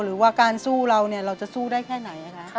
หรือว่าการสู้เราเนี่ยเราจะสู้ได้แค่ไหนคะ